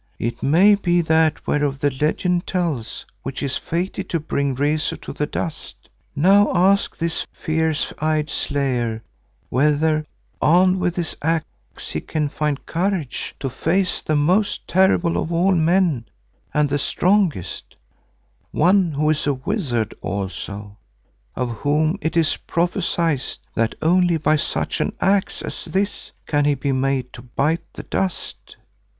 It may be that whereof the legend tells which is fated to bring Rezu to the dust. Now ask this fierce eyed Slayer whether, armed with his axe he can find courage to face the most terrible of all men and the strongest, one who is a wizard also, of whom it is prophesied that only by such an axe as this can he be made to bite the dust."